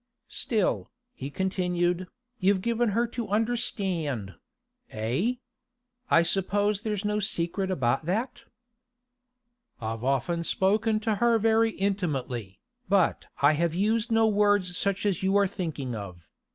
'Still,' he continued, 'you've given her to understand—eh? I suppose there's no secret about that?' 'I've often spoken to her very intimately, but I have used no words such as you are thinking of.